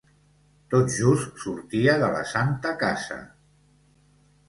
Tot just sortia de la Santa Casa…